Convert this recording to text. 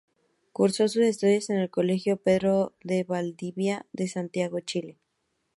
Cursó sus estudios en el Colegio Pedro de Valdivia de Santiago, Chile.